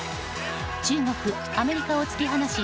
中国、アメリカを突き放し